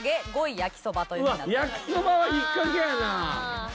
焼そばは引っかけやな！